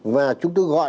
và chúng tôi cũng không có